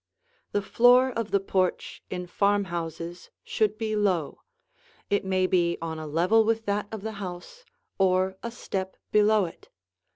The floor of the porch in farmhouses should be low; it may be on a level with that of the house, or a step below it.